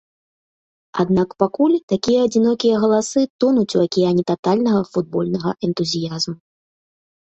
Аднак пакуль такія адзінокія галасы тонуць у акіяне татальнага футбольнага энтузіязму.